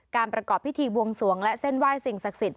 ประกอบพิธีบวงสวงและเส้นไหว้สิ่งศักดิ์สิทธิ